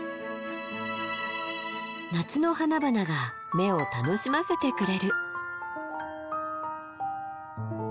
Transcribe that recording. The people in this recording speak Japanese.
夏の花々が目を楽しませてくれる。